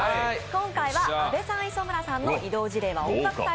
今回は阿部さん、磯村さんの「異動辞令は音楽隊！」